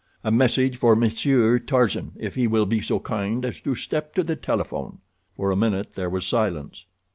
"A message for Monsieur Tarzan, if he will be so kind as to step to the telephone." For a minute there was silence.